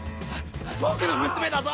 僕の娘だぞ！